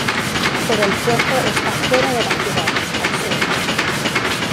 Pero el puerto está fuera de la ciudad, al sur.